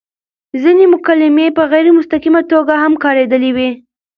ځينې مکالمې په غېر مستقيمه توګه هم کاريدلي وې